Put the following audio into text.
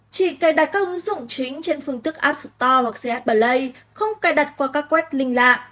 chỉ cài đặt các ứng dụng chính trên phương tức app store hoặc ch play không cài đặt qua các quét linh lạ